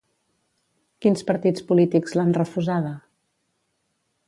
Quins partits polítics l'han refusada?